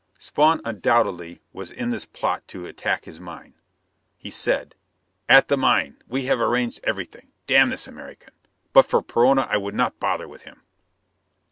Spawn undoubtedly was in this plot to attack his mine! He said, "At the mine we have arranged everything. Damn this American! But for Perona I would not bother with him."